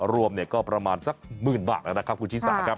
รวมก็ประมาณสักหมื่นบาทแล้วนะครับคุณชิสาครับ